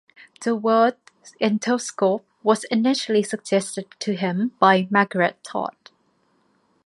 The word 'isotope' was initially suggested to him by Margaret Todd.